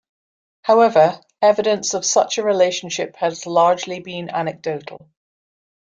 However, evidence of such a relationship has largely been anecdotal.